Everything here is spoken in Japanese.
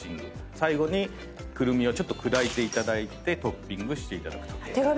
最後にクルミをちょっと砕いてトッピングしていただくと。